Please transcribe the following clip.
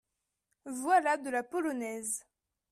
Voilà de la polonaise.